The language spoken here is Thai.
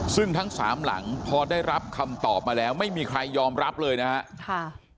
ซึ่งทั้งสามหลังพอได้รับคำตอบมาแล้วไม่มีใครยอมรับเลยนะครับ